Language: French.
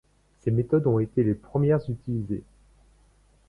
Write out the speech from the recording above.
Ces méthodes ont été les premières utilisée.